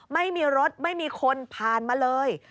ไม่มีรถไม่มีคนผ่านมาเลย